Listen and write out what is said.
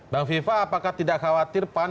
bang viva apakah tidak khawatir pan